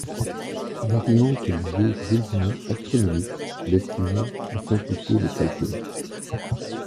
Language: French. Variante du jour julien astronomique destinée à simplifier les calculs.